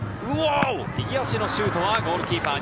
右足のシュートはゴールキーパーに。